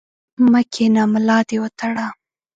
مه کښېنه ، ملا دي وتړه!